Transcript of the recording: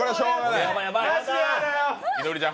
いのりちゃん